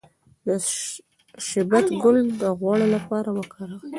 د شبت ګل د غوړ لپاره وکاروئ